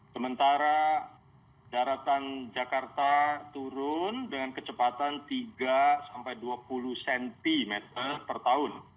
sementara daratan jakarta turun dengan kecepatan tiga sampai dua puluh cm per tahun